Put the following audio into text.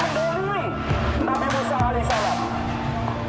langsung mendorimi nabi musa alaih salam